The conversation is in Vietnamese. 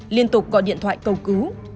liên tục gọi điện thoại cơ sở